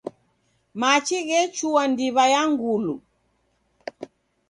Machi ghechua ndiw'a ya Ngulu.